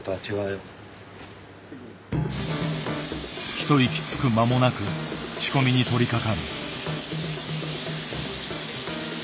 一息つく間もなく仕込みに取りかかる。